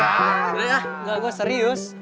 enggak gue serius